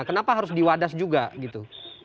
kenapa harus di wadas juga gitu